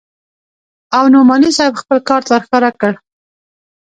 او نعماني صاحب خپل کارت ورښکاره کړ.